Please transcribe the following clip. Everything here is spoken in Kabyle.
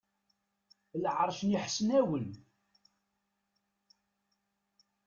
Lɛerc n Iḥesnawen.